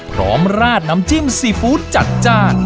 พร้อมราดน้ำจิ้มซีฟู้ดจัด